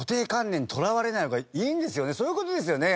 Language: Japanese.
そういう事ですよね？